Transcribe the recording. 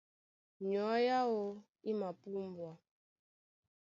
Nyɔ̌ áō í mapúmbwa.